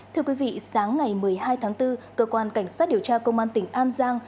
thưa quý vị sáng ngày một mươi hai tháng bốn cơ quan cảnh sát điều tra công an tỉnh an giang